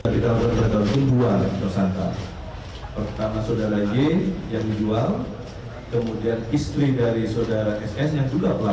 kita berdekat dengan dua orang yang tersangka